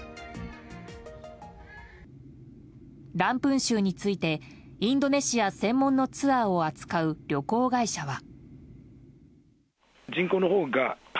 ランプン州についてインドネシア専門のツアーを扱う旅行会社は。